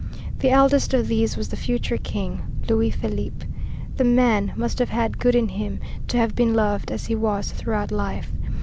The eldest of these was the future king, Louis Philippe. The man must have had good in him to have been loved as he was throughout life.